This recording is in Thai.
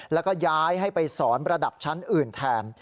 แล้วก็ย้ายให้ไปสอนระดับชั้นอื่นแทน